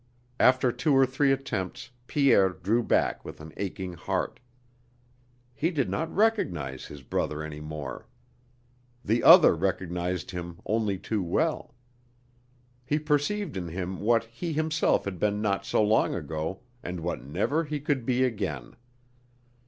After two or three attempts Pierre drew back with an aching heart. He did not recognize his brother any more. The other recognized him only too well. He perceived in him what he himself had been not so long ago and what never he could be again.